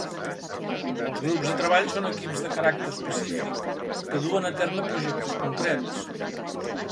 Els grups de treball són equips de caràcter específic que duen a terme projectes concrets.